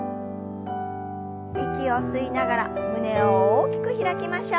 息を吸いながら胸を大きく開きましょう。